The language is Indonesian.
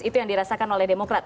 itu yang dirasakan oleh demokrat